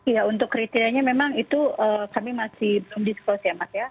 ya untuk kriterianya memang itu kami masih belum diskus ya mas ya